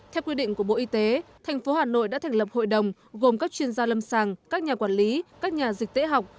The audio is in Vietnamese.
theo quy định của bộ y tế thành phố hà nội đã thành lập hội đồng gồm các chuyên gia lâm sàng các nhà quản lý các nhà dịch tễ học